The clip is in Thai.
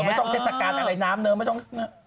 ไม่ต้องเทศกาลอะไรน้ำเนอะไม่ต้อง